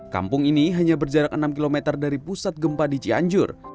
kampung ini hanya berjarak enam km dari pusat gempa di cianjur